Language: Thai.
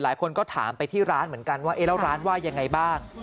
หลายคนก็ถามไปที่ร้านเหมือนกันว่าเอ๊ะแล้วร้านว่ายังไงบ้าง